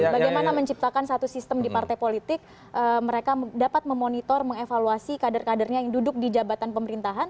bagaimana menciptakan satu sistem di partai politik mereka dapat memonitor mengevaluasi kader kadernya yang duduk di jabatan pemerintahan